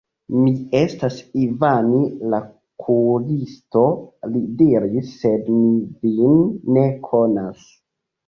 Mi estas Ivan, la kuiristo, li diris, sed mi vin ne konas.